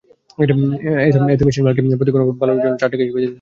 এতে মেশিন মালিককে প্রতি ঘনফুট বালুর জন্য চার টাকা হিসেবে দিতে হবে।